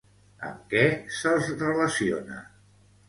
Amb què se'ls relaciona?